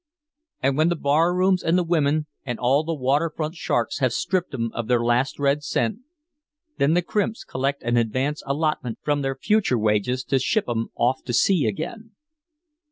And when the barrooms and the women and all the waterfront sharks have stripped 'em of their last red cent, then the crimps collect an advance allotment from their future wages to ship 'em off to sea again."